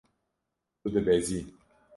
Tu dibezî.